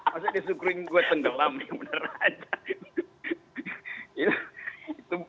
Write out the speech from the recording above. masa dia syukurin gue tenggelam